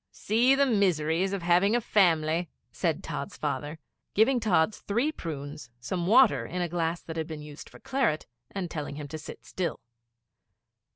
'See the miseries of having a family!' said Tods' father, giving Tods three prunes, some water in a glass that had been used for claret, and telling him to sit still.